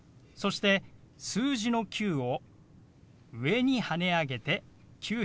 そして数字の「９」を上にはね上げて「９００」。